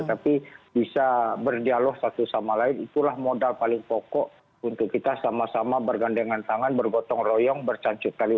tapi bisa berdialog satu sama lain itulah modal paling pokok untuk kita sama sama bergandengan tangan bergotong royong bercanciptali